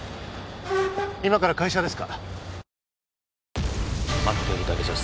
今から会社ですか？